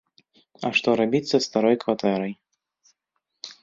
А што рабіць са старой кватэрай?